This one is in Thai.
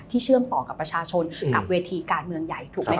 เชื่อมต่อกับประชาชนกับเวทีการเมืองใหญ่ถูกไหมค